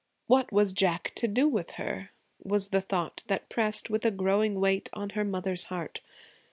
What was Jack to do with her? was the thought that pressed with a growing weight on her mother's heart.